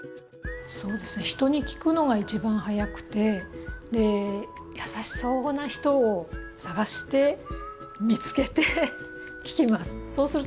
そうですね人に聞くのが一番早くて優しそうな人を探して見つけて聞きます。